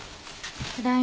ただいま。